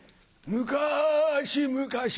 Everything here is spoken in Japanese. むかしむかし